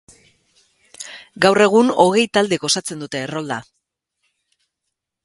Gaur egun, hogei taldek osatzen dute errolda.